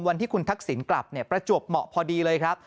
วันที่คุณทักษิณกลับประจวบเหมาะพอดีเลยครับ